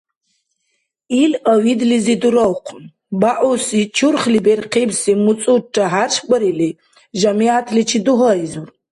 Ил авидлизи дуравхъун, бягӀуси, чурхли берхъибси муцӀурра хӀяршбарили, жамигӀятличи дугьаизур: